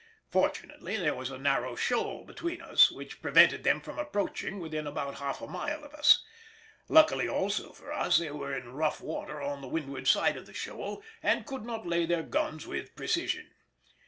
Fortunately there was a narrow shoal between us, which prevented them from approaching within about half a mile of us; luckily also for us they were in rough water on the windward side of the shoal and could not lay their guns with precision.